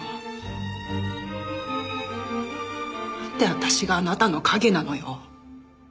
なんで私があなたの影なのよ。